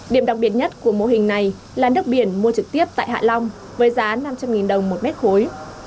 điểm đặc biệt nhất của mô hình này là nước biển mua trực tiếp tại hạ long với giá năm trăm linh đồng một mét khối